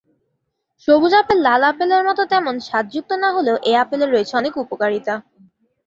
সবুজ আপেল লাল আপেলের মতো তেমন স্বাদযুক্ত না হলেও এই আপেলের রয়েছে অনেক উপকারিতা।